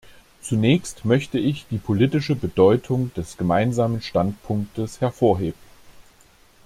Zunächst möchte ich die politische Bedeutung des Gemeinsamen Standpunktes hervorheben.